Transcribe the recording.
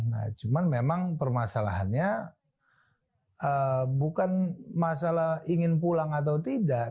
nah cuman memang permasalahannya bukan masalah ingin pulang atau tidak